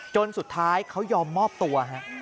จนสุดท้ายเขายอมมอบตัวฮะ